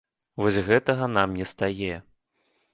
Вось гэтага нам не стае.